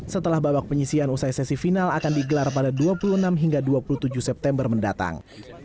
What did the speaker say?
setelah babak penyisian usai sesi final akan digelar pada dua puluh enam hingga dua puluh tujuh september mendatang